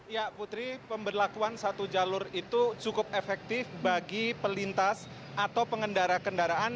ya putri pemberlakuan satu jalur itu cukup efektif bagi pelintas atau pengendara kendaraan